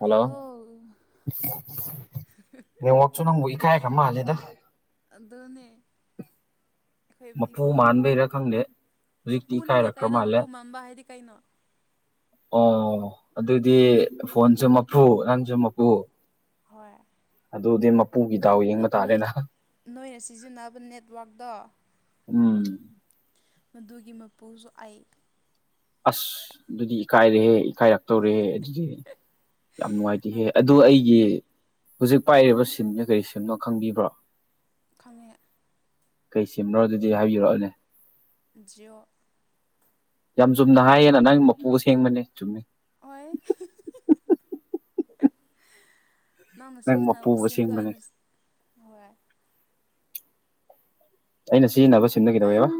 hello ꯃ ꯋꯥꯛꯁꯨꯨ ꯅꯪ ꯏ ꯀꯥꯏ ꯈꯃꯖꯤꯦꯗ ꯑꯗꯨꯅꯦ ꯃꯄꯨ ꯑꯩꯈꯣꯏꯕꯨꯗꯤꯀꯣ ꯃꯥꯟꯕꯩꯔꯥ ꯈꯪꯗꯦ ꯍꯧꯖꯤꯛꯇꯤ ꯃꯄꯨꯅꯤꯅꯦ ꯏꯀꯥꯏꯔꯛꯈ꯭ꯔ ꯀꯩꯅꯣ ꯃꯥꯜꯂꯦ ꯃꯄꯨ ꯃꯝꯕ ꯍꯥꯏꯗꯤ ꯀꯩꯅꯣ ꯑꯣ ꯑꯗꯨꯗꯤ ꯐꯣꯟꯁꯨ ꯃꯄꯨ ꯅꯪꯁꯨ ꯃꯄꯨ ꯍꯣꯏ ꯑꯗꯨꯗꯤ ꯃꯄꯨꯒꯤ ꯗꯥꯎ ꯌꯦꯡꯕ ꯅꯣꯏ ꯇꯥꯔꯦꯅ ꯅꯣꯏꯅ ꯁꯤꯖꯤꯟꯅꯕ ꯅꯦꯠꯋꯥꯛꯛꯇꯣ ꯎꯝ ꯃꯗꯨꯒꯤ ꯃꯄꯨꯁꯨ ꯑꯩ ꯑꯁ ꯑꯗꯨꯗꯤ ꯏꯀꯥꯏꯔꯦꯍꯦ ꯏꯀꯥꯏꯔꯛ ꯇꯧꯔꯛꯑꯦ ꯑꯗꯨꯗꯤ ꯌꯥꯝ ꯅꯨꯡꯉꯥꯏꯇꯦꯍꯦ ꯑꯗꯨꯗꯣ ꯑꯩꯒꯤ ꯍꯧꯖꯤꯛ ꯄꯥꯏꯔꯤꯕ ꯁꯤꯝꯅ ꯀꯔꯤ ꯁꯤꯝꯅꯣ ꯈꯪꯕꯤꯕ꯭ꯔꯣ ꯈꯪꯉꯦ ꯀꯩ ꯁꯦꯝꯅꯣ ꯑꯗꯨꯗꯤ ꯍꯥꯏꯕꯤꯔꯛꯑꯅꯦ ꯖꯤꯑꯣ ꯌꯥꯝ ꯆꯨꯝꯅ ꯍꯥꯏꯌꯦꯅ ꯅꯪꯒꯤ ꯃꯄꯨꯒ ꯁꯦꯡꯕꯅꯦ ꯆꯨꯝꯃꯤ ꯑꯣꯏ ꯅꯪꯅ ꯅꯪ ꯃꯄꯨ ꯁꯤꯖꯤꯟꯅꯕ ꯁꯦꯝꯗꯣ ꯑꯁꯦꯡꯕꯅꯦ ꯑꯩꯅ ꯍꯣꯏ ꯑꯩꯅ ꯁꯤꯖꯤꯟꯅꯕ ꯁꯤꯝꯅ ꯀꯩꯗꯧꯦꯕ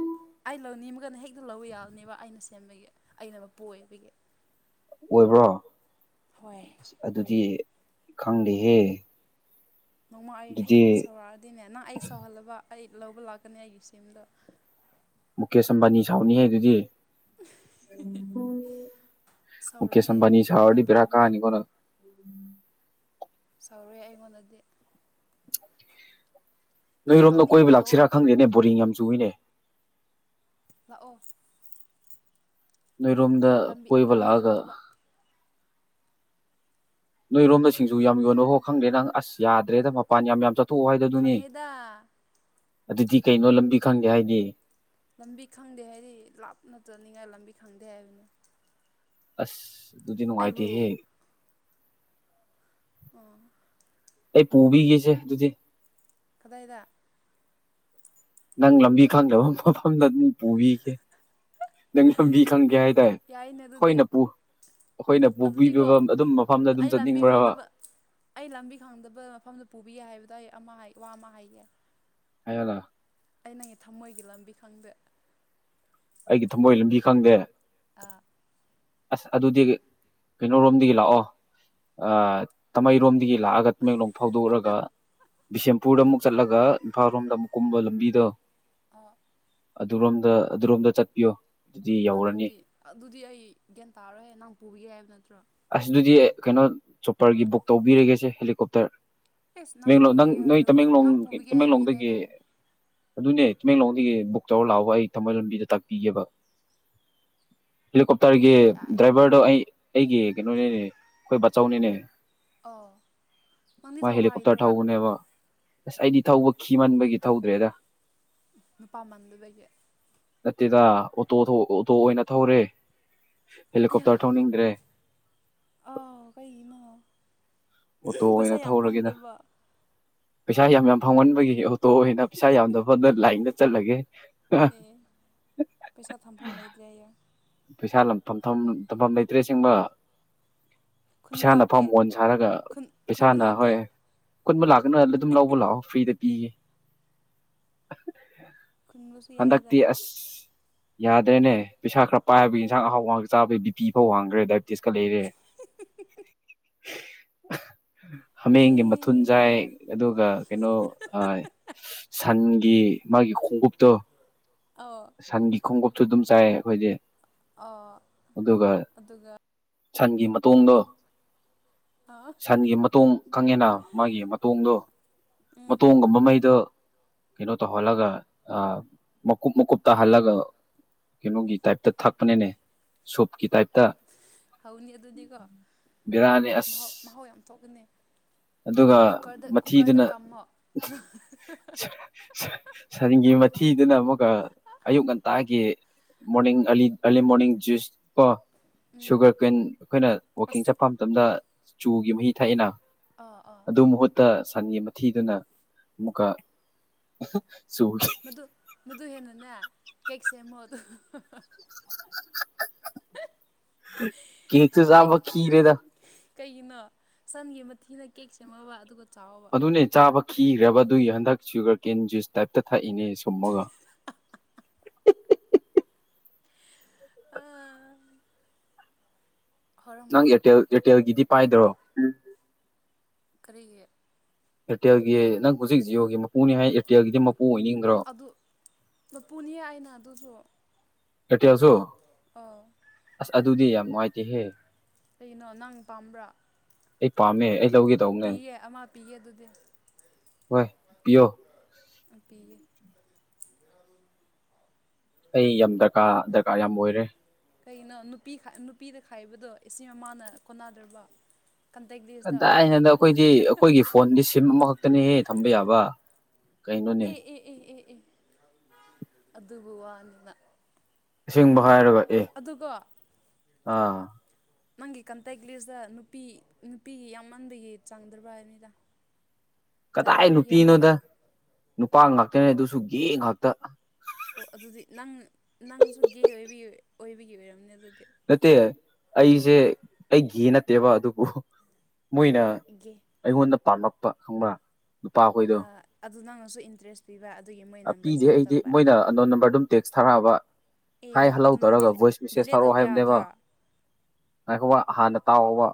ꯑꯗꯨ ꯂꯧ ꯌꯥꯕꯅꯦꯕ ꯑꯩꯅ ꯁꯦꯝꯕꯒꯤ ꯑꯩꯅ ꯃꯄꯨ ꯑꯣꯏꯕꯒꯤ ꯑꯣꯏꯕ꯭ꯔꯣ ꯍꯣꯏ ꯍꯣꯏ ꯌꯦ ꯈꯪꯗꯤꯍꯦ ꯅꯣꯡꯃ ꯑꯩ ꯍꯦꯛ ꯁꯧꯔꯛꯑꯗꯤꯅꯦ ꯅꯪ ꯑꯩ ꯁꯧꯍꯜꯂꯕ ꯑꯩ ꯂꯧꯕ ꯂꯥꯛꯀꯅꯤ ꯑꯩꯒꯤ ꯁꯤꯝꯗ ꯃꯨꯀꯦꯁ ꯑꯝꯕꯥꯅꯤ ꯁꯥꯎꯅꯤ ꯍꯥꯏ ꯑꯗꯨꯗꯤ ꯃꯨꯀꯦꯁ ꯁꯧꯔꯣꯏꯍꯦ ꯑꯝꯕꯥꯅꯤ ꯌꯥꯝ ꯁꯥꯔꯗꯤꯗꯔꯥ ꯐꯕꯅꯦ ꯀꯥꯅꯤ ꯀꯣꯅ ꯎꯝ ꯁꯧꯔꯨꯏꯦ ꯑꯩꯉꯣꯟꯗꯗꯤ ꯅꯪ ꯅꯣꯏꯔꯣꯝꯗ ꯇꯧꯅꯤꯡꯕ ꯀꯣꯏꯕ ꯇꯧꯑꯣ ꯂꯥꯛꯁꯤꯔꯥ ꯈꯪꯗꯦꯅꯦ ꯕꯣꯔꯤꯡ ꯌꯥꯝ ꯆꯨꯏꯅꯦ ꯂꯥꯛꯑꯣ ꯅꯣꯏꯔꯣꯝꯗ ꯑꯩ ꯂꯝꯕꯤ ꯀꯣꯏꯕ ꯂꯝꯕꯤ ꯂꯥꯛꯑꯒ ꯈꯪꯗꯕ ꯅꯣꯏꯔꯣꯝꯗ ꯁꯤꯡꯖꯨ ꯌꯥꯝ ꯌꯣꯟꯜꯂꯣꯍꯣ ꯈꯪꯗ꯭ꯔꯦ ꯅꯪ ꯑꯁ ꯌꯥꯗ꯭ꯔꯦꯗ ꯃꯄꯥꯟ ꯌꯥꯝ ꯆ ꯈꯪꯉꯦꯗ ꯑꯗꯨꯗꯤ ꯀꯩꯅꯣ ꯂꯝꯕꯤ ꯈꯪꯒꯦ ꯍꯥꯏꯗꯤ ꯂꯝꯕꯤ ꯈꯪꯗꯦ ꯍꯥꯏꯗꯤ ꯂꯥꯞꯅ ꯆꯠꯅꯤꯡꯉꯥꯏ ꯂꯝꯕꯤ ꯈꯪꯗꯦ ꯍꯥꯏꯕꯅꯤ ꯑꯁ ꯑꯗꯨꯗꯤ ꯅꯨꯡꯉꯥꯏꯇꯦꯍꯦ ꯎꯝ [unintelligible] [inaudible] ꯑꯩ ꯄꯨꯕꯤꯒꯤꯁꯦ ꯑꯗꯨꯗꯤ ꯀꯗꯥꯏꯗ ꯅꯪ ꯂꯝꯕꯤ ꯈꯪꯗꯕ ꯃꯐꯝꯗ ꯑꯗꯨꯝ ꯄꯨꯕꯤꯒꯦ ꯅꯪ ꯐꯝꯕꯤ ꯈꯪꯒꯦ ꯌꯥꯏ ꯍꯥꯏꯇꯥꯔꯦ ꯌꯥꯏꯅꯦ ꯑꯩꯈꯣꯏ ꯑꯗꯨꯗꯤ ꯅꯄꯨ ꯑꯩꯈꯣꯏꯅ ꯄꯨꯕꯤꯕ ꯑꯗꯨꯗꯤꯀꯣ ꯑꯗꯨꯝ ꯃꯐꯝꯗ ꯑꯗꯨꯝ ꯑꯩ ꯂꯝꯕꯤ ꯆꯠꯅꯤꯡꯕ꯭ꯔꯕ ꯈꯪꯗꯕ ꯑꯩ ꯂꯝꯕꯤ ꯈꯪꯗꯕ ꯃꯐꯝꯗ ꯄꯨꯕꯤꯌꯦ ꯍꯥꯏꯕꯗꯣ ꯑꯩ ꯑꯃ ꯋꯥ ꯑꯃ ꯍꯥꯏꯌꯦꯦ ꯍꯥꯏꯗ ꯑꯩ ꯅꯪꯒꯤ ꯊꯃꯣꯏꯒꯤ ꯂꯝꯕꯤ ꯈꯪꯗꯦ ꯑꯩꯒꯤ ꯊꯃꯣꯏ ꯂꯝꯕꯤ ꯈꯪꯗꯦ ꯑ ꯑꯁ ꯑꯗꯨꯗꯤ ꯀꯩꯅꯣꯣꯔꯣꯝꯗꯒꯤ ꯂꯥꯛꯑꯣ ꯇꯥꯃꯩꯔꯣꯝꯗꯒꯤ ꯂꯥꯛꯑꯒꯃꯦꯡꯂꯣꯡ ꯐꯥꯎꯗꯣꯛꯎꯔꯒ ꯕꯤꯁꯦꯝꯄꯨꯔꯗ ꯑꯃꯨꯛ ꯆꯠꯂꯒ ꯏꯝꯐꯥꯜ ꯔꯣꯝꯗ ꯑꯃꯨꯛ ꯀꯨꯝꯕ ꯂꯝꯕꯤꯗꯣ ꯑ [inaudible] ꯑꯗꯨꯔꯣꯝꯗ ꯑꯗꯨꯔꯣꯝꯗ ꯆꯠꯄꯤꯌꯣ ꯑꯗꯨꯗꯤ ꯌꯧꯔꯅꯤ ꯑꯗꯨꯗꯤ ꯑꯗꯨꯗꯤ ꯑꯩ ꯒ꯭ꯌꯥꯟ ꯇꯥꯔꯣꯏꯍ ꯅꯍꯪ ꯄꯨꯕꯒꯦ ꯍꯥꯏꯕ ꯅꯠꯇ꯭ꯔꯣ ꯑꯁ ꯑꯗꯨꯗꯤ ꯀꯩꯅꯣ ꯆꯣꯄꯔꯒꯤ ꯕꯨꯛ ꯇꯧꯕꯤꯔꯒꯦꯁꯦ ꯍꯦꯂꯤꯀꯣꯞꯇꯔ ꯑꯦꯁ ꯅꯪ ꯇꯃꯦꯡꯂꯣꯡ ꯄꯨꯕꯤꯒꯦ ꯅꯣꯏ ꯍꯥꯏꯔꯒ ꯇꯃꯦꯡꯂꯣꯡ ꯅꯪ ꯄꯨꯕꯤꯒꯦ ꯍꯥꯏꯕꯒꯤꯅꯦ ꯇꯃꯦꯡꯂꯣꯡꯗꯒꯤ ꯅ ꯍꯥꯏ ꯑꯗꯨꯅꯦ ꯇꯃꯦꯡꯂꯣꯡꯗꯒꯤ ꯕꯨꯛ ꯇꯧꯔ ꯂꯥꯛꯑꯣ ꯑꯩ ꯊꯃꯩ ꯂ ꯂꯝꯕꯤꯗ ꯇꯥꯛꯄꯤꯒꯦꯕ ꯍꯦꯂꯤꯀꯣꯞꯇꯔꯒꯤ ꯑꯣꯏꯌꯦ ꯑꯥꯏ ꯗ꯭ꯔꯥꯏꯚꯔꯗꯣ ꯑꯩ ꯑꯩꯒꯤ ꯀꯩꯅꯣꯅꯤꯅꯦ ꯑꯩꯈꯣꯏ ꯕꯥꯆꯥꯎꯅꯤꯅꯦ ꯑꯣ ꯅꯪꯗꯤ ꯊꯧꯕ ꯍꯦꯂꯤꯀꯣꯞꯇꯔ ꯍꯥꯏꯗ꯭ꯔꯣ ꯊꯧꯕꯅꯦꯕ ꯑꯁ ꯑꯩꯗꯤ ꯊꯧꯕ ꯈꯤꯃꯟꯕꯒꯤ ꯊꯧꯗ꯭ꯔꯦꯗ ꯅꯨꯄꯥꯃꯟꯗꯨꯗꯒꯤꯗꯒꯤ ꯅꯠꯇꯦꯗ ꯑꯣꯇꯣ ꯑꯣꯇꯣ ꯑꯣꯏꯅ ꯊꯧꯔꯦ ꯑꯌꯥ ꯍꯦꯂꯤꯀꯣꯞꯇꯔ ꯊꯧꯅꯤꯡꯗ꯭ꯔꯦ ꯑꯥꯎ ꯀꯅꯣ ꯑꯣꯇꯣ ꯑꯣꯏꯅ ꯄꯩꯁꯥ ꯌꯥꯝ ꯊꯧꯔꯒꯦꯗ ꯐꯪꯗ꯭ꯔꯕ ꯄꯩꯁꯥ ꯌꯥꯝ ꯌꯥꯝ ꯐꯥꯎꯒꯟꯕꯒꯤ ꯇꯣꯛꯑꯦꯅ ꯄꯩꯁꯥ ꯌꯥꯝꯗ ꯐꯗ ꯂꯥꯏꯟꯗ ꯆꯠꯂꯒꯦ ꯆ ꯊꯝ ꯐꯝ ꯂꯩꯗ꯭ꯔꯦ ꯄꯩꯁꯥ ꯇꯝꯐꯝ ꯂꯩꯇ꯭ꯔꯦ ꯁꯤꯁꯤꯡꯕ ꯈꯨꯟꯕ ꯄꯩꯁꯥꯅ ꯂꯥꯛꯀꯦ ꯐꯝ ꯍꯣꯟ ꯁꯥꯔꯒ ꯈꯨꯟ ꯈꯨꯟꯕ ꯄꯩꯁꯥꯅ ꯂꯥꯛꯀꯦ ꯍꯣꯏ ꯀꯨꯟꯕ ꯂꯥꯛꯀꯅ ꯑꯗꯨꯝ ꯂꯧꯕ ꯂꯥꯛꯑꯣ ꯐ꯭ꯔꯤꯗ ꯄꯤꯒꯦ ꯈꯨꯟꯃꯁꯨꯌꯥꯏꯗ ꯍꯟꯗꯛꯇꯤ ꯑꯁ ꯌꯥꯗ꯭ꯔꯦꯅꯦ ꯄꯩꯁꯥ ꯈꯔ ꯄꯥꯏ ꯍꯥꯏꯕꯒꯤ ꯌꯦꯟꯁꯥꯡ ꯑꯍꯥꯎꯕꯍꯥꯛ ꯆꯥꯕꯒꯤ ꯕꯤꯄꯤꯤ ꯐꯧ ꯍꯥꯡꯈ꯭ꯔꯦ ꯗꯥꯏꯕꯤꯦꯇꯤꯁꯀ ꯂꯩꯔꯦ [unintelligible] ꯍꯥꯃꯦꯡꯒꯤ ꯃꯊꯨꯟꯖꯥꯏ ꯑꯩ ꯑꯗꯨꯒ ꯀꯩꯅꯣ ꯁꯟꯒꯤ ꯃꯥꯒꯤ ꯈꯣꯡꯎꯞꯇꯣ ꯑꯧ ꯁꯟꯒꯤ ꯈꯣꯡꯎꯞꯁꯨ ꯑꯗꯨꯝ ꯆꯥꯏ ꯑꯩꯈꯣꯏꯗꯤ ꯑ ꯑꯗꯨꯒ ꯑꯗꯨꯒ ꯁꯟꯒꯤ ꯃꯇꯣꯡꯗꯣ ꯑ ꯁꯟꯒꯤ ꯃꯇꯣꯡ ꯈꯪꯉꯦꯅꯥ ꯃꯥꯒꯤ ꯃꯇꯣꯡꯗꯣ ꯎꯝ ꯃꯇꯣꯡꯒꯨꯝꯕꯉꯩꯗ ꯀꯩꯅꯣ ꯇ ꯍꯂꯒ ꯑ ꯃꯀꯨꯞꯕ ꯃꯨꯀꯨꯞꯕꯇ ꯍꯜꯂꯒ ꯀꯩꯅꯣꯒꯤ ꯇꯥꯏꯞꯇ ꯊꯛꯄꯅꯅꯦ ꯁꯣꯞꯀꯤ ꯇꯥꯏꯞꯇ ꯍꯧꯅꯤ ꯑꯗꯨꯅꯤꯀꯣ ꯕꯤꯔꯥꯅꯤ ꯃꯍꯥꯎ ꯑꯁ ꯃꯍꯥꯎ ꯌꯥꯝ ꯊꯣꯛꯀꯅꯤ ꯑꯗꯨꯒ ꯀꯨꯀꯔꯗ ꯀꯨꯀꯔꯗ ꯃꯊꯤꯗꯨꯅ ꯀꯥꯝꯃꯣ ꯁꯟꯒꯤ ꯃꯊꯤꯗꯨꯅ ꯑꯃꯨꯛꯀ ꯑꯌꯨꯛ ꯉꯟꯇꯥꯒꯤ ꯃꯣꯔꯅꯤꯡ ꯑꯂꯤ ꯑꯔꯂꯤ ꯃꯣꯔꯅꯤꯡ ꯨꯁ ꯀꯣ ꯎꯝ ꯁꯨꯒꯔ ꯀꯨꯋꯟ ꯑꯩꯈꯣꯏꯅ ꯋꯀꯤꯡ ꯑꯁ ꯆꯠꯄ ꯃꯇꯝꯗ ꯆꯨꯒꯤ ꯃꯍꯤ ꯊꯛꯑꯅ ꯑꯥ ꯑꯥ ꯑꯗꯨ ꯃꯍꯨꯠꯇ ꯁꯟꯒꯤ ꯃꯊꯤꯗꯨꯅ ꯑꯃꯨꯛꯀ ꯆꯨꯈꯤ ꯃꯗꯨ ꯃꯗꯨ ꯍꯦꯟꯅꯅꯦ ꯀꯦꯛ ꯁꯦꯝꯃꯣ ꯑꯗꯨ ꯀꯠꯇ ꯁꯥꯕꯈꯈꯤꯔꯦꯗ ꯀꯩꯅꯣ ꯁꯟꯒꯤ ꯃꯊꯤꯅ ꯀꯦꯛꯁꯦ ꯃ ꯋꯥ ꯑꯗꯨꯒ ꯆꯥꯎꯕ ꯑꯗꯨꯅꯦ ꯆꯥꯕ ꯀꯤꯈ꯭ꯔꯦꯕꯥꯗꯨꯒꯤ ꯍꯟꯗꯛ ꯁꯨꯒꯔ ꯀꯦꯟ ꯖꯨꯁ ꯇꯥꯏꯞꯇ ꯊꯥꯛꯏꯅꯦꯦ ꯁꯨꯝꯃꯒ [unintelligible] ꯑꯥ ꯅꯪ ꯑꯦꯔꯇꯦꯜ ꯑꯦꯔꯇꯦꯜꯒꯤꯗꯤ ꯄꯥꯏꯗ꯭ꯔꯣ ꯀꯔꯤꯒꯤ ꯑꯦꯔꯇꯦꯜꯒꯤ ꯅꯪ ꯍꯧꯖꯤꯛ ꯖꯤꯑꯣꯒꯤ ꯃꯄꯨꯅꯤ ꯍꯥꯏ ꯑꯦꯔꯇꯦꯜꯒꯤꯗꯤ ꯑꯣꯏꯅꯤꯡꯗ꯭ꯔꯣ ꯑꯗꯨ ꯃꯄꯨꯅꯤ ꯑꯅ ꯑꯗꯨꯁꯨ ꯑꯦꯇꯤꯌꯥꯁꯨ ꯑꯥ ꯑꯁ ꯑꯗꯨꯗꯤ ꯌꯥꯝ ꯅꯨꯡꯉꯥꯏꯇꯦꯍꯦ ꯀꯒꯤꯩꯅꯣ ꯅꯪ ꯄꯥꯝꯕ꯭ꯔꯥ ꯑꯩ ꯄꯥꯝꯃꯦ ꯑꯩ ꯂꯧꯒꯦ ꯇꯧꯕꯅꯦ ꯄ ꯑꯃꯃꯥ ꯄꯤꯌꯦ ꯗꯗꯨꯗꯥ ꯄꯣ ꯑꯄꯤꯤꯒꯦ ꯑꯩ ꯌꯥꯝ ꯗꯔꯀꯥꯔ ꯗꯔꯀꯥꯔ ꯌꯥꯝ ꯑꯣꯏꯔꯦ ꯀꯩꯒꯤꯅꯣ ꯅꯨꯄꯤ ꯅꯨꯄꯤꯗ ꯈꯥꯏꯕꯗꯣ ꯑꯁꯤ ꯃꯃꯥꯅ ꯀꯣꯟꯅꯗ꯭ꯔꯕ ꯀꯟꯇꯦꯛ ꯂꯤꯁꯇ ꯀꯗꯥꯏꯅꯗ ꯑꯩꯈꯣꯏꯗꯤ ꯑꯩꯈꯣꯏꯒꯤ ꯐꯣꯟꯗꯤ ꯁꯤꯝ ꯑꯃꯈꯛꯇꯅꯦꯍꯦ ꯊꯝꯕ ꯌꯥꯕ ꯀꯩꯅꯣꯅꯦ ꯑꯦ ꯑꯦ ꯑꯦ ꯑꯦ ꯑꯦ ꯑꯗꯨ ꯋꯥꯅꯤꯅ ꯑꯁꯤꯡꯕ ꯍꯥꯏꯔꯒ ꯑꯦ ꯑꯗꯨꯒ ꯑꯥ ꯅꯪꯒꯤ ꯀꯟꯇꯦꯛ ꯂꯤꯁꯇ ꯅꯨꯄꯤ ꯅꯨꯄꯤꯒꯤ ꯌꯥꯝꯃꯟꯕꯒꯤ ꯆꯥꯡꯗ꯭ꯔꯕ ꯍꯥꯏꯅꯤꯗ [unintelligible] ꯀꯗꯥꯏ ꯅꯨꯄꯤꯅꯣꯗ ꯅꯨꯄꯥ ꯉꯥꯛꯇꯅꯦ ꯑꯗꯨꯁꯨ ꯒꯦ ꯉꯥꯛꯇ ꯑꯣ ꯑꯗꯨꯗꯤ ꯅꯪ ꯅꯪꯁꯨ ꯒꯦ ꯑꯣꯏ ꯑꯣꯏꯕꯒꯤ ꯑꯣꯏꯔꯝꯅꯦ ꯑꯗꯨꯗꯤ ꯅꯠꯇꯦ ꯑꯩꯁꯦ ꯑꯩ ꯒꯦ ꯅꯠꯇꯦꯕ ꯑꯗꯨꯕꯨ ꯃꯣꯏꯅ ꯒꯦ ꯑꯩꯉꯣꯟꯗ ꯄꯥꯝꯂ ꯍꯥꯄ ꯈꯪꯕ꯭ꯔ ꯅꯨꯄꯥ ꯑꯩꯈꯣꯏꯗꯣ ꯑꯗꯨ ꯅꯪꯅꯁꯨ ꯏꯟꯇꯔꯦꯁ ꯄꯤꯕ ꯑꯗꯨꯒꯤ ꯃꯣꯏ ꯅꯝꯕꯔ ꯄꯤꯗꯦ ꯁꯦꯞ ꯑꯩꯗꯤ ꯇꯧꯕ ꯃꯣꯏꯅ ꯅꯣꯟ ꯅꯝꯕꯔ ꯑꯗꯨꯝ ꯇꯦꯛꯁ ꯊꯥꯔꯛꯑꯕ ꯑꯦ ꯍꯥꯏ ꯍꯜꯍꯧ ꯑꯗꯨ ꯅꯪ ꯇꯧꯔꯒ ꯚꯣꯏꯁ ꯃꯦꯁꯦꯖ ꯗꯤꯂꯦ ꯊꯥꯔꯛꯑꯣ ꯇꯧꯕ ꯍꯥꯏꯕꯅꯦꯕ ꯌꯥꯗ꯭ꯔꯣ ꯉꯥꯏꯈ ꯍꯥꯟꯅ ꯇꯥꯎꯕ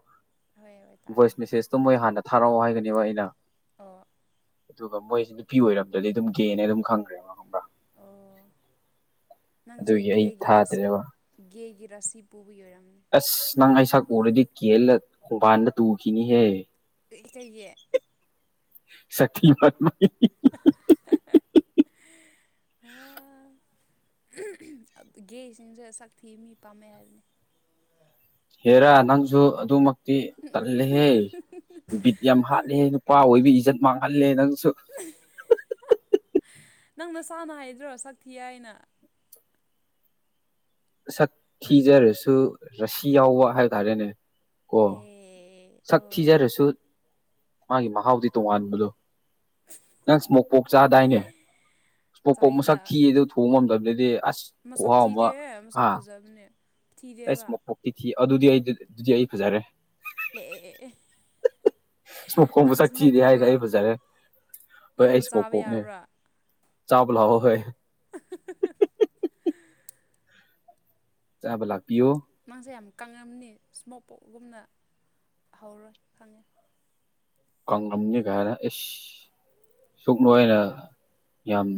ꯍꯣꯏ ꯍꯣꯏ ꯇꯥꯒꯦ ꯚꯣꯏꯁ ꯃꯦꯁꯦꯁꯇꯣ ꯃꯣꯏ ꯍꯥꯟꯅ ꯊꯥꯔꯛꯑꯣ ꯍꯥꯏꯒꯅꯦꯕ ꯑꯩꯅ ꯑꯣ ꯑꯗꯨꯒ ꯃꯣꯏꯁꯦ ꯅꯨꯄꯤ ꯑꯣꯏꯔꯝꯗꯗꯤ ꯑꯗꯨꯝ ꯦꯅ ꯑꯗꯨꯝ ꯈꯪꯈ꯭ꯔꯦ ꯃꯗ ꯑꯣ ꯅꯪꯁꯦ ꯑꯗꯨꯒꯤ ꯑꯩ ꯒꯦꯒꯤꯦꯔꯥꯁꯤ ꯊꯥꯗ꯭ꯔꯦꯕ ꯒꯦꯔ ꯔꯁꯤ ꯄꯨꯕꯤ ꯑꯣꯏꯔꯝ ꯑꯁ ꯅꯪ ꯑꯩꯁꯥꯛ ꯎꯔꯗꯤ ꯀꯦꯜꯂ ꯈꯣꯡꯕꯥꯟꯗ ꯇꯨꯈꯤꯅꯤꯍꯦ ꯏ ꯀꯩ ꯁꯇꯤ ꯋꯥ ꯃꯥ [unintelligible] [inaudible] ꯒꯦꯁꯤꯡꯁꯦ ꯁꯛꯊꯤ ꯃꯤ ꯄꯥꯝꯃꯦ ꯍꯥꯏꯕꯅꯤ ꯔ ꯅꯪꯁꯨ ꯑꯗꯨꯃꯛ ꯤ ꯇꯜꯂꯦꯍꯦ ꯕꯤꯠ ꯌꯥꯝ ꯅꯪ ꯍꯥꯠꯂꯦꯍꯦ ꯅꯨꯄꯥ ꯑꯣꯏꯕꯤ ꯏꯖꯠ ꯃꯥꯡꯍꯜꯂꯦ ꯅꯪ [unintelligible] [inaudible] ꯅꯪ ꯅ ꯁꯥꯥꯅ ꯍꯥꯏꯗ꯭ꯔꯣ ꯁꯛ ꯊꯤ ꯍꯥꯏꯅ ꯁꯛ ꯊꯤꯖꯔꯁꯨ ꯔꯁꯤ ꯌꯥꯎꯕ ꯍꯥꯏ ꯇꯔꯦꯅꯦ ꯀꯣ ꯑꯦ ꯁꯛ ꯑꯣ ꯊꯤꯖꯔꯁꯨ ꯃꯥꯒꯤ ꯃꯍꯥꯎꯗꯤ ꯇꯣꯉꯥꯟꯕꯗꯣ ꯅꯪ ꯏꯁ ꯃꯣꯛꯄꯣꯛ ꯆꯥꯗꯥꯏꯅꯦ ꯄꯣꯛꯀꯣꯛ ꯆꯥꯏꯗ ꯃꯁꯛ ꯀꯤꯑꯗ ꯊꯣꯡꯕ ꯉꯝꯗꯕꯗ ꯃꯁꯛ ꯊꯤꯗꯦꯍꯦ ꯃꯁꯛ ꯐꯖꯕꯅꯦ ꯊꯤꯗꯦꯕ ꯑꯦꯁꯣꯛꯤ ꯊꯤ ꯑꯗꯨꯗꯤ ꯑꯩ ꯑꯗꯨꯗꯤ ꯑꯩ ꯐꯖꯔꯦ ꯑꯦ ꯑꯦ ꯑꯦ ꯑꯦ ꯑ ꯃꯈ ꯈꯣꯡꯕꯨ ꯅꯪ ꯆꯠ ꯏꯁꯃꯣꯛ ꯊꯤꯔꯦ ꯍꯥꯏꯔꯦ ꯄꯣꯛꯔꯣ ꯑꯩ ꯐꯖꯔꯦ ꯍꯣꯏ ꯑꯩ ꯅꯪꯕꯨ ꯏꯁꯃꯣꯛ ꯆꯥꯕ ꯄꯣꯛꯅꯦ ꯌꯥꯕ꯭ꯔꯥ ꯆꯥꯕ ꯂꯑꯣ ꯍꯣꯏ ꯆꯥꯕꯂꯥꯛ ꯄꯤꯌꯑꯣ ꯃꯥꯡꯁꯦ ꯌꯥꯝ ꯀꯪꯉꯝꯅꯤ ꯏꯁꯃꯣꯛ ꯄꯣꯛꯒꯨꯝꯅ ꯍꯧꯔꯣꯏ ꯈꯪꯉꯦ ꯀꯪꯒꯝꯅꯤꯒꯅ ꯏꯁ ꯁꯨꯛꯅꯣꯏꯅ ꯌꯥꯝ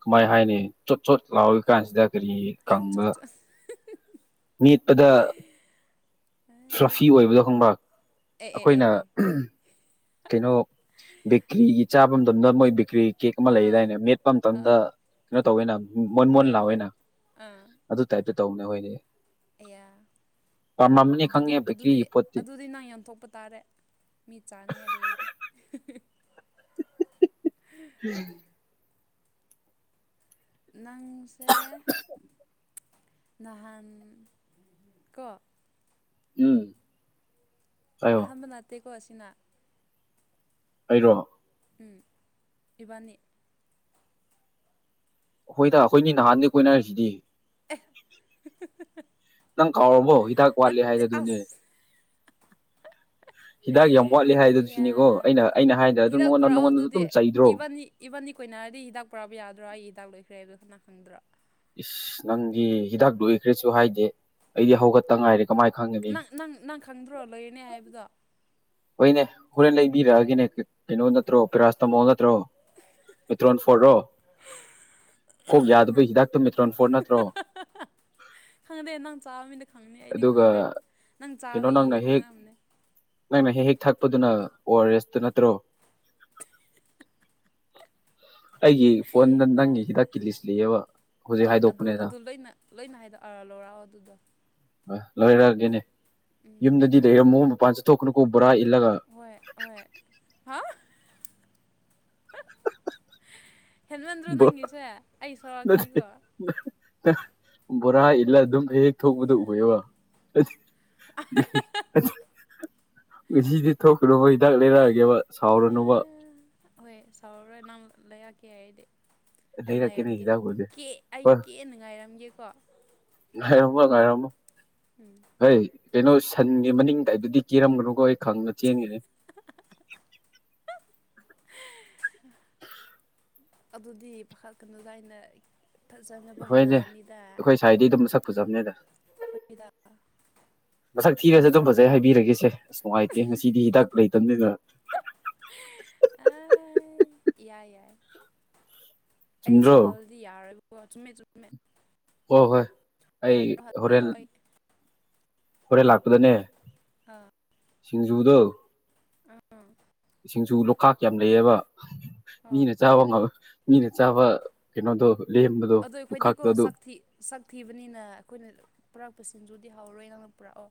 ꯀꯃꯥꯏ ꯍꯥꯏꯅꯤ ꯆꯣꯠ ꯆꯣꯠ ꯂꯥꯎꯏ ꯀꯥꯟꯁꯤꯗ ꯀꯔꯤ ꯑꯦ ꯆꯣ ꯀꯪꯕ ꯆꯣ ꯃꯦꯠꯄꯗ ꯁ꯭ꯔꯐꯤ ꯑꯣꯏꯕꯗꯣ ꯈꯪꯕ ꯑꯦ ꯑꯦ ꯑꯦ ꯑꯩꯈꯣꯏꯅ ꯑꯦ ꯀꯩꯅꯣ ꯕꯦꯀ꯭ꯔꯤꯒꯤ ꯆꯥꯕ ꯃꯇꯝꯗ ꯃꯣꯏ ꯕꯦꯀ꯭ꯔꯤ ꯀꯦꯛ ꯑꯃ ꯑꯥ ꯂꯩꯗꯥꯏꯅ ꯃꯦꯠꯄ ꯃꯇꯝꯗ ꯑꯥ ꯀꯩꯅꯣ ꯇꯧꯋꯦꯅ ꯃꯣꯟ ꯃꯣꯟ ꯍꯣꯏ ꯍꯣꯏ ꯂꯥꯛꯑꯣꯏꯅ ꯑꯥ ꯑꯗꯨ ꯇꯥꯏꯞꯇ ꯇꯧꯅꯦ ꯍꯣꯏꯗꯤ ꯑꯌꯥ ꯑꯗꯨꯗꯤ ꯑꯗꯨꯗꯤ ꯑꯗꯨꯗꯤ ꯅꯪ ꯌꯥꯝꯟꯊꯣꯛꯄ ꯇꯥꯔꯦ ꯃꯤ ꯆꯥꯅꯤꯉꯥꯏ ꯂꯩꯗ ꯍꯝ ꯅꯪꯁꯦ ꯅꯍꯥꯟ ꯀ ꯎꯝ ꯍꯥꯏꯌꯣ ꯑꯍꯥꯟꯕ ꯅꯥꯠꯇꯦꯀꯣ ꯑꯁꯤꯅ ꯑꯩꯔꯣ ꯎꯝ ꯏꯕꯥꯅꯤ ꯍꯣꯏꯗ ꯑꯩꯈꯣꯏꯅꯤ ꯅꯍꯥꯟꯗꯒꯤꯩ ꯀꯣꯏꯅꯔꯤꯁꯤꯗꯤ ꯍꯤꯇꯥꯡ ꯀꯥꯎꯔꯝꯃꯣ ꯍꯤꯗꯥꯛ ꯋꯥꯠꯂꯦ ꯅꯠꯇꯦ ꯍꯥꯏꯗꯗꯨꯅꯦ ꯑꯁ ꯍꯤꯗꯥꯛ ꯌꯥꯝ ꯋꯥꯠꯂꯤ ꯍꯥꯏꯗꯨ ꯁꯤꯅꯤꯀꯣ ꯑꯌꯥ ꯑꯩꯅ ꯑꯩꯅ ꯍꯥꯏꯗ꯭ꯔ ꯑꯗꯨꯝ ꯍꯤꯗꯥꯛ ꯅꯉꯣꯟꯗ ꯅꯉꯣꯟꯗ ꯑꯗꯨꯝ ꯆꯩꯗ꯭ꯔꯣ ꯑꯩ ꯀꯣꯏꯅꯔꯗꯤ ꯍꯤꯗꯥꯛ ꯄꯥꯛꯕ ꯌꯥꯗ꯭ꯔꯣ ꯑꯩ ꯍꯤꯗꯥꯛ ꯂꯣꯏꯈ꯭ꯔꯦ ꯍꯥꯏꯕꯣꯟꯅ ꯈꯪꯗ꯭ꯔꯣ ꯏꯁꯁ ꯅꯪꯒꯤ ꯍꯤꯗꯥꯛꯇꯏꯈ꯭ꯔꯁꯨ ꯍꯥꯏꯗꯦ ꯑꯩꯗꯤ ꯍꯧꯒꯠꯇ ꯉꯥꯏꯔꯦ ꯀꯃꯥꯏꯅ ꯈꯪꯒꯅꯤ ꯅꯪ ꯅꯪ ꯅꯪ ꯈꯪꯗ꯭ꯔꯣ ꯂꯣꯏꯔꯅꯦ ꯍꯥꯏꯕꯗꯣ ꯍꯣꯏꯅꯦ ꯍꯣꯔꯦꯟ ꯂꯩꯕꯤꯔꯛꯑꯒꯦꯅꯦ ꯀꯩꯅꯣ ꯅꯠꯇ꯭ꯔꯣ ꯄꯦꯔꯥꯁ ꯇꯝꯃꯣ ꯅ꯭ꯔꯣ ꯭ꯔꯣ ꯃ꯭ꯔꯣꯅ ꯐꯣꯣꯔꯣ ꯀꯣꯛ ꯌꯥꯗꯕꯩ ꯍꯤꯗꯥꯛꯇ ꯃꯦꯇ꯭ꯔꯣꯟ ꯐꯣꯔ ꯅꯠꯇ꯭ꯔꯣ ꯈꯪꯗꯦꯟꯅ ꯆꯥ ꯈꯪꯅꯦ ꯑꯩꯗꯤ ꯑꯗꯨꯒ ꯀꯩꯅꯣ ꯅꯪꯅ ꯍꯦꯛ ꯅꯪꯅ ꯍꯦꯛ ꯍꯦꯛ ꯊꯛꯄꯗꯨꯅ ꯑꯣ ꯑꯥꯔ ꯑꯦꯁꯇꯨ ꯅꯠꯇ꯭ꯔꯣ ꯑꯩꯒꯤ ꯐꯣꯟꯗ ꯅꯪꯒꯤ ꯍꯤꯗꯥꯛ ꯀ ꯂꯤꯁꯂꯤꯑꯕ ꯍꯣꯏ ꯑꯗꯨ ꯑꯗꯨꯣꯏꯅ ꯂꯣꯏꯅ ꯍꯥꯏꯔ ꯂꯧꯔꯛꯑꯣ ꯑꯗꯨꯗꯣ ꯑ ꯂꯣꯏꯔꯛꯑꯒꯦꯅꯦ ꯎꯝ ꯌꯨꯝꯗꯗꯤ ꯂꯩꯔꯝꯃꯣ ꯃꯄꯥꯟ ꯆꯠꯊꯣꯛꯀꯅꯨꯀꯣ ꯕꯣꯔꯥ ꯏꯂꯒ ꯍꯣꯏ ꯍꯣꯏ ꯍꯥ [inaudible] ꯍꯦꯜꯃꯦꯟꯗ꯭ꯔꯣ ꯅꯪꯉꯁꯦ ꯑꯩ ꯁꯣꯔꯛꯒꯅꯤꯀꯣ ꯕꯣꯔꯥ ꯏꯜꯂ ꯑꯗꯨꯝ ꯍ ꯍꯦꯛ ꯊꯣꯛꯄꯗ ꯎꯑꯕ ꯁꯤꯗꯤ ꯊꯣꯛꯀꯅꯨꯕꯣꯏ ꯍꯤꯗꯥꯛ ꯂꯩꯔꯛꯑꯒꯦꯕ ꯁꯥꯎꯔꯅꯨꯕ ꯍꯣꯏ ꯆꯥꯎꯔꯔꯣꯏ ꯅꯍꯪ ꯂꯩꯔꯛꯀꯦ ꯍꯥꯏꯔꯗꯤ ꯑꯩ ꯂꯩꯔꯛꯀꯦꯅꯦ ꯉꯥꯏꯔꯝꯒꯦ ꯍꯤꯗꯥꯛꯄꯨꯗꯤ ꯑꯩ ꯍꯣꯏ ꯀꯦꯟꯅ ꯉꯥꯏꯔꯝꯒꯦꯀꯣ ꯑꯃ ꯉꯥꯏꯔꯝꯃꯣ ꯎꯝ ꯍꯣꯏ ꯀꯩꯅꯣ ꯁꯟꯒꯤ ꯃꯅꯤꯡꯗꯗꯨꯗꯤ ꯀꯤꯔꯝꯒꯅꯨꯀꯣ ꯑꯩ ꯈꯪꯅ ꯆꯦꯟꯉꯦ ꯑꯗꯨꯗꯤ ꯄꯥꯈꯥ ꯀꯩꯅꯣꯖꯥꯏꯅ ꯍꯣꯏꯅꯦ ꯑꯩꯈꯣꯏ ꯁꯥꯏꯗꯒꯤ ꯑꯗꯨꯝ ꯁꯛ ꯄꯨꯖꯕꯅꯦꯗ ꯑꯩꯈꯣꯏꯒꯤꯗ ꯃꯁꯛ ꯊꯤꯔꯁꯨ ꯅꯪꯕꯨ ꯑꯗꯨꯝ ꯈꯪ ꯐꯖꯩ ꯍꯥꯏꯕꯤꯔꯒꯦꯁꯦ ꯑꯁ ꯅꯨꯡꯉꯥꯏꯇꯦ ꯉꯁꯤꯗꯤ ꯍꯤꯗꯥꯛ ꯂꯩꯇꯅꯦꯒ ꯏꯏ ꯌꯥꯏ ꯑꯦ ꯆꯨꯝꯗ꯭ꯔꯣ ꯆꯍꯜꯗꯤ ꯌꯥꯔꯣꯏꯔꯤꯕ ꯆꯃꯦ ꯆꯃꯦ ꯍ ꯍꯣꯏ ꯑꯩ ꯍꯜꯂꯣ ꯍꯣꯔꯦꯟ ꯑꯩ ꯍꯣꯔꯦꯟ ꯂꯥꯛꯄꯗꯅꯦ ꯑꯥ ꯁꯤꯡꯖꯨꯗ ꯎꯝ ꯁꯤꯡꯁꯨ ꯂꯣꯛꯇꯥꯛ ꯌꯥꯝ ꯂꯩꯑꯕ ꯑꯥ ꯃꯤꯅ ꯆꯥꯕ ꯃꯤꯅ ꯆꯥꯕ ꯀꯩꯅꯣꯗꯣ ꯂꯦꯝꯕꯗꯣ ꯑꯗꯣ ꯑꯩꯈꯣꯏꯗꯤꯀꯣ ꯂꯨꯈꯥꯛꯇꯣ ꯑꯗꯨ ꯁꯛ ꯊꯤꯕꯅꯤꯅ ꯑꯩꯈꯣꯏꯅ ꯄꯨꯔꯛꯄꯁꯤꯡꯁꯨꯗꯤ ꯍꯧꯥꯎꯔꯣꯏ ꯅꯪꯅ ꯄꯨꯔꯛꯑꯣ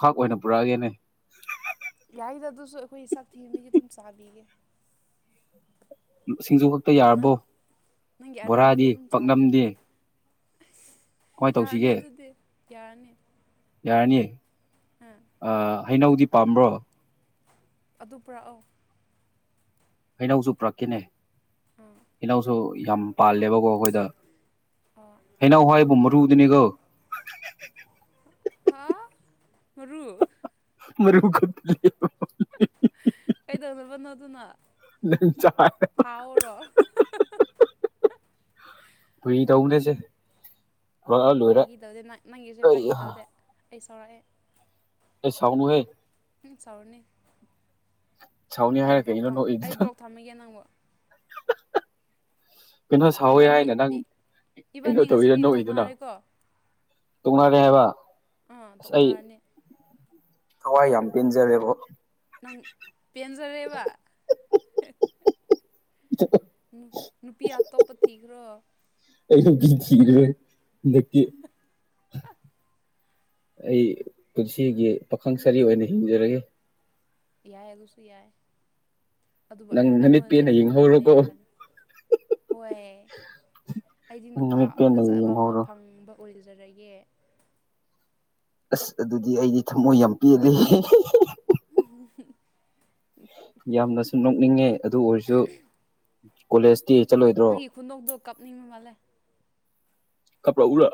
ꯈꯥꯛ ꯑꯣꯏꯅ ꯄꯨꯔꯛꯑꯒꯦꯅꯦ ꯌꯥꯏꯗ ꯑꯗꯨꯁꯨ ꯑꯩꯈꯣꯏ ꯆꯥꯛ ꯊꯤꯃꯤꯁ ꯑꯗꯨꯝ ꯆꯥꯕꯤꯒꯦ ꯁꯤꯡꯖꯨ ꯈꯛꯇ ꯅꯪ ꯌꯥꯔꯕꯣ ꯅꯪꯒꯤ ꯑꯔꯦꯝꯕꯗꯣ ꯕꯣꯔꯥꯗꯤ ꯑꯗꯨꯝ ꯆꯥꯕꯤꯒꯦ ꯄꯥꯛꯅꯝꯗꯤꯦ ꯌꯥꯔꯅꯤ ꯑꯗꯨꯗꯤ ꯌꯥꯔꯅꯤ ꯌꯥꯔꯅꯤꯌꯦ ꯑꯥ ꯍꯩꯅꯧꯗꯤ ꯄꯥꯝꯕ꯭ꯔꯣ ꯑꯗꯨ ꯄꯔꯛꯑꯣ ꯍꯩꯅꯧꯁꯨ ꯄꯨꯔꯛꯈꯤꯅꯦ ꯑꯥ ꯍꯩꯅꯧꯁꯨ ꯌꯥꯝ ꯄꯥꯜꯂꯦꯕꯀꯣ ꯑꯩꯈꯣꯏꯗ ꯑꯥ ꯍꯩꯅꯎꯋꯥꯏꯕꯨ ꯃꯔꯨꯗꯨꯅꯤꯒ ꯍꯥ ꯔꯨ ꯃ ꯀꯩꯗꯧꯔꯕꯅꯣ ꯑꯗꯨꯅ ꯅ ꯆꯥ ꯊꯥꯎꯔꯣ ꯑꯩ ꯇꯎꯅꯦꯁꯦ ꯐꯥꯒꯤꯗꯧꯗꯦ ꯅꯪꯒꯤꯁꯨꯦ ꯐꯥꯈꯤꯗꯧꯗꯦ ꯑꯩ ꯑꯩ ꯁꯥꯎꯔꯛꯑꯦ ꯁꯥꯎꯅꯍꯦ ꯎꯝ ꯆꯥꯎꯔꯅꯤ ꯁꯥꯎꯅꯤ ꯑꯩ ꯍꯥꯏꯔ ꯕ꯭ꯂꯣꯛ ꯀꯩꯅꯣ ꯊ ꯑꯩ ꯅꯣꯛꯏꯗꯨꯅ ꯕ꯭ꯂꯣꯛ ꯊꯝꯃꯒꯦ ꯅꯪꯕꯨ ꯀꯩꯅꯣ ꯁꯥꯎꯋꯦ ꯏꯕꯥꯅꯤ ꯍꯥꯏꯅ ꯅꯪ ꯏ ꯀꯩꯅꯣ ꯏꯕꯥꯅꯤ ꯇꯧꯋꯤꯔ ꯉꯁꯤꯗꯤ ꯅꯣꯛꯏꯗꯨꯅ ꯇꯣꯛꯅꯔꯦꯀꯣ ꯇꯨꯡꯅꯔꯦ ꯍꯥꯏꯕ ꯑꯥ ꯑꯁ ꯑꯩ ꯇꯣꯛꯅꯔꯅꯤ ꯊꯋꯥꯏ ꯌꯥꯝ ꯄꯦꯟꯖꯔꯦꯕꯣ ꯅꯪ ꯄꯦꯟꯖꯔꯦꯕ ꯅꯨꯄꯤ ꯑꯇꯣꯞꯄ ꯊꯤꯈ꯭ꯔꯣ ꯑꯩ ꯀꯔꯃꯦ ꯅꯈꯤ ꯑꯩ ꯄꯨꯟꯁꯤꯒꯤ ꯄꯥꯈꯪ ꯁꯔꯤ ꯑꯣꯏꯅ ꯍꯤꯡꯖꯔꯒꯦ ꯌꯥꯏ ꯑꯗꯨꯁꯨ ꯌꯥꯏ ꯑꯗꯨꯕꯨ ꯅꯪ ꯅꯃꯤꯠ ꯑꯩꯉꯣꯟꯗꯗꯤ ꯄꯦꯟꯅ ꯑꯃꯨꯛ ꯌꯦꯡꯍꯧꯔꯣꯀꯣ ꯍꯪꯒꯅꯦꯅ ꯈꯜꯂꯤꯂ ꯍꯣꯏ ꯑꯩꯗꯤ ꯅꯨꯄꯥ ꯅꯨꯃꯤꯠ ꯄꯦꯟꯅ ꯐꯖꯕ ꯑꯃ ꯌꯦꯡꯍꯧꯔꯣ ꯐꯪꯕ ꯑꯣꯏꯖꯔꯛꯑꯦ ꯑꯁ ꯑꯗꯨꯗꯤ ꯑꯩꯗꯤ ꯊꯝꯃꯣꯏ ꯌꯥꯝ ꯄꯦꯜꯜꯂꯤꯦ [inaudible] ꯌꯥꯝꯅꯁꯨ ꯅꯣꯛꯅꯤꯡꯉꯦ ꯑꯗꯨ ꯑꯣꯏꯔꯁꯨ ꯀꯣꯂꯦꯖ ꯅꯪꯒꯤ ꯈꯨꯟꯗꯣꯛꯗꯣ ꯀꯞꯅꯤꯡꯕ ꯃꯥꯜꯂꯦ ꯀꯄꯔ ꯎꯔ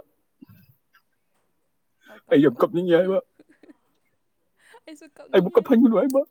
ꯑ ꯀꯄ ꯑꯩꯁꯨ ꯑꯩꯕꯨ ꯀꯞꯅꯤꯡꯉꯦ ꯀꯞꯍꯟꯒꯅꯨ ꯍꯥꯏꯕ